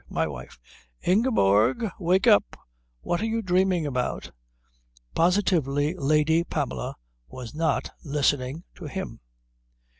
My wife " "Ingeborg! Wake up! What are you dreaming about?" Positively Lady Pamela was not listening to him.